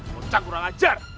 bocah kurang ajar